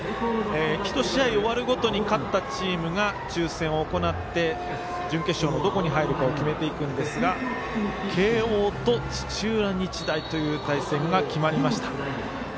１試合終わるごとに勝ったチームが抽選を行って準決勝のどこに入るかを決めていくんですが慶応と土浦日大という対戦が決まりました。